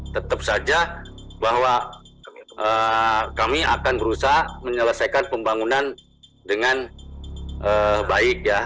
tetap saja bahwa kami akan berusaha menyelesaikan pembangunan dengan baik ya